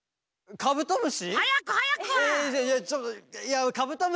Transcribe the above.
カブトムシ！